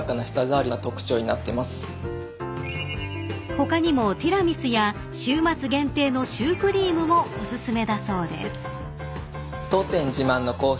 ［他にもティラミスや週末限定のシュークリームもお薦めだそうです］